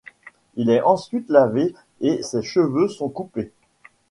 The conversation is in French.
Il est ensuite lavé et ses cheveux sont coupés.